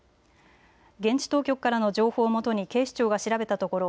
現地当局からの情報をもとに警視庁が調べたところ